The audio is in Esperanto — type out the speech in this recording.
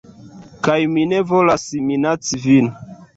Kaj mi ne volas minaci vin